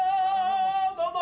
どうぞ！